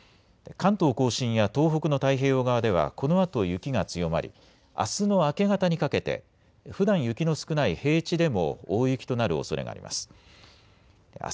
関東甲信や東北の太平洋側ではこのあと雪が強まりあすの明け方にかけてふだん雪の少ない平地でも大雪となるおそれがあります。